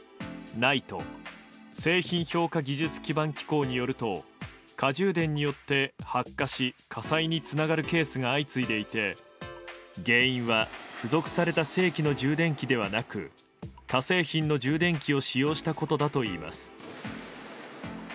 ＮＩＴＥ・製品評価技術基盤機構によると過充電によって発火し火災につながるケースが相次いでいて原因は付属された正規の充電器ではなく他製品の充電器を使用したことだといいます。